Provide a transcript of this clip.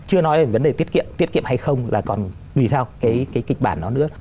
chưa nói về vấn đề tiết kiệm tiết kiệm hay không là còn tùy theo cái kịch bản đó nữa